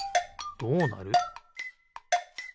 どうなる？